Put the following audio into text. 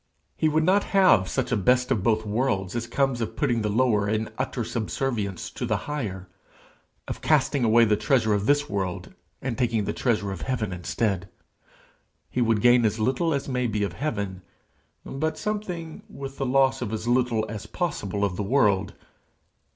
He would not have such a 'best of both worlds' as comes of putting the lower in utter subservience to the higher of casting away the treasure of this world and taking the treasure of heaven instead. He would gain as little as may be of heaven but something, with the loss of as little as possible of the world.